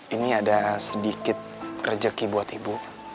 ini ada sedikit rezeki buat ibu